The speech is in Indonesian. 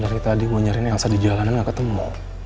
dari tadi gue nyari nielsa di jalanan gak ketemu